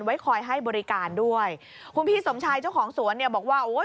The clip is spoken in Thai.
ไว้คอยให้บริการด้วยคุณพี่สมชายเจ้าของสวนเนี่ยบอกว่าโอ้ย